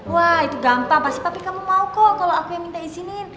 wah itu gampang tapi kamu mau kok kalau aku yang minta izinin